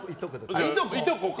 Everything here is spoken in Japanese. いとこか！